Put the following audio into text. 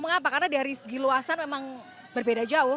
mengapa karena dari segi luasan memang berbeda jauh